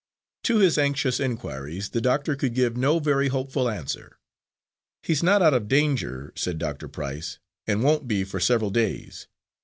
To his anxious inquiries the doctor could give no very hopeful answer. "He's not out of danger," said Doctor Price, "and won't be for several days.